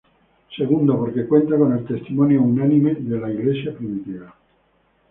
Segundo, porque cuenta con el testimonio unánime de la iglesia primitiva.